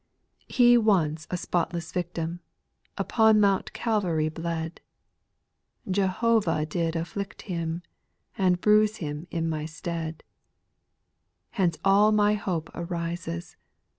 2. He once a spotless victim, Upon Mount Calvary bled, Jehovah did ajflict Him, And bruise Him in my stead : Hence all my hope arises.